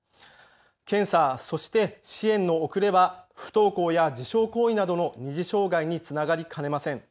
検査、そして支援の遅れは不登校や自傷行為などの二次障害につながりかねません。